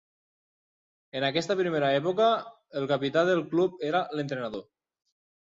En aquesta primera època, el capità del club era l'entrenador.